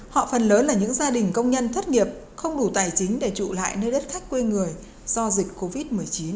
họ phần lớn là những gia đình công nhân thất nghiệp không đủ tài chính để trụ lại nơi đất khách quê người do dịch covid một mươi chín